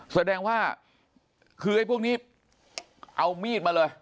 แสดงว่าคือไอ้พวกนี้เอามีดมาเลย